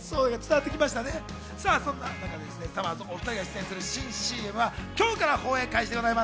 さまぁずお２人が出演する新ＣＭは今日から放映開始です。